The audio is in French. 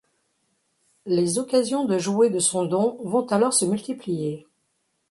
Les occasions de jouer de son don vont alors se multiplier...